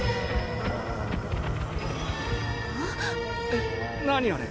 えっ何あれ？